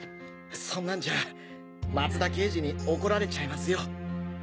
そんなんじゃ松田刑事に怒られちゃいますよ。